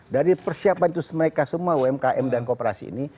dari persiapan itu mereka semua umkm dan kooperasi ini